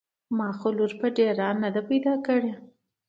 ما خو لور په ډېران نده پيدا کړې.